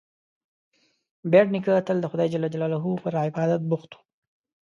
بېټ نیکه تل د خدای جل جلاله پر عبادت بوخت و.